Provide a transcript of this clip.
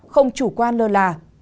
không chủ quan lơ là